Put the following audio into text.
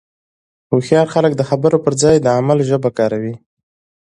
هوښیار خلک د خبرو پر ځای د عمل ژبه کاروي.